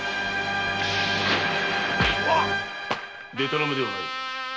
でたらめではない。